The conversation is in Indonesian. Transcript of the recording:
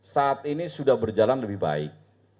saat ini sudah berjalan lebih baik